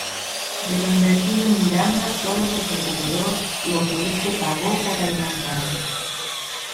De lo invertido en Miranda, solo recuperó lo que este pagó por adelantado.